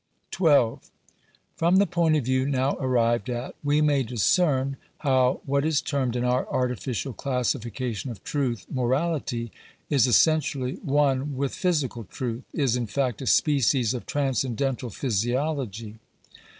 § 12. From the point of view now arrived at, we may discern how what is termed in our artificial classifications of truth, morality, is essentially one with physical truth — is, in fact, a species of transcendental physiology.